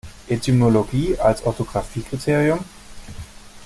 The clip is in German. Etymologie als Orthographiekriterium?